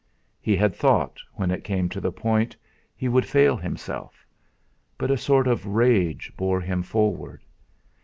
He had thought, when it came to the point, he would fail himself; but a sort of rage bore him forward.